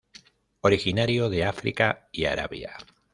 Originario de África y Arabia.